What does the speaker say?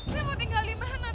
saya mau tinggal dimana terus